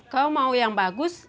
kau mau yang bagus